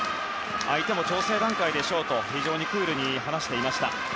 相手も調整段階でしょうとクールに話していました。